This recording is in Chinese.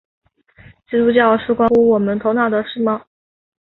基督教是关乎我们头脑的事吗？